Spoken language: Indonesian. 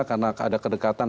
karena ada kedekatan